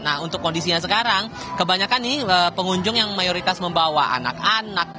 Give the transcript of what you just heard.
nah untuk kondisinya sekarang kebanyakan nih pengunjung yang mayoritas membawa anak anak